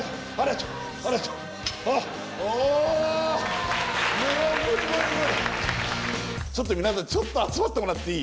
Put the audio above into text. ちょっと皆さんちょっと集まってもらっていい？